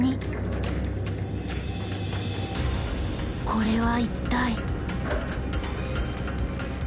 これは一体。